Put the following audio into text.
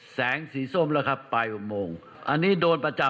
แต่เราก็มีอยู่ด้วยนะครับ